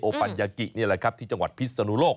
ปัญญากินี่แหละครับที่จังหวัดพิศนุโลก